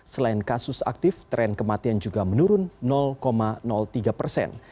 selain kasus aktif tren kematian juga menurun tiga persen